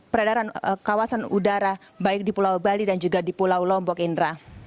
peredaran kawasan udara baik di pulau bali dan juga di pulau lombok indra